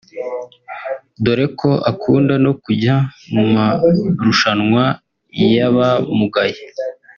dore ko akunda no kujya mu marushanwa y’abamugaye